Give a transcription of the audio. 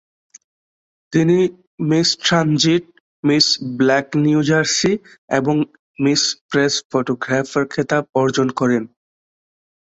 তিনি Miss Transit, Miss Black New Jersey এবং Miss Press photographer খেতাব অর্জন করেন।